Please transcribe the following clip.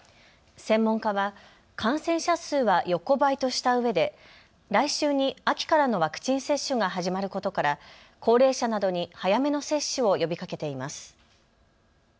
専門家は感染者数は横ばいとしたうえで来週に秋からのワクチン接種が始まることから高齢者などに早めの接種を呼びかけています。